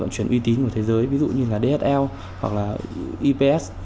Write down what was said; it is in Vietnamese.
vận chuyển uy tín của thế giới ví dụ như là dhl hoặc là ips